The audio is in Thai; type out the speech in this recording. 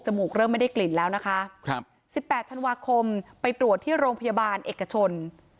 มูกเริ่มไม่ได้กลิ่นแล้วนะคะครับ๑๘ธันวาคมไปตรวจที่โรงพยาบาลเอกชน